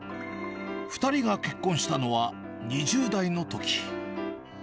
２人が結婚したのは２０代のとき。